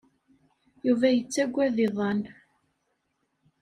Yuba yettagad iḍan.